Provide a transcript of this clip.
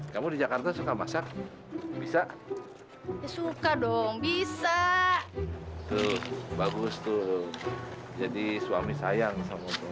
kamu di jakarta suka masak bisa suka dong bisa tuh bagus tuh jadi suami sayang sama tuh